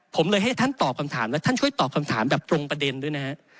ผมเลยให้ท่านตอบคำถามและท่านช่วยตอบคำถามแบบตรงประเด็นด้วยนะฮะ